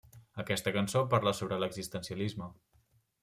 Aquesta cançó parla sobre l'existencialisme.